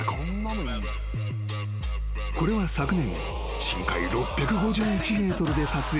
［これは昨年深海６５１ｍで撮影された映像］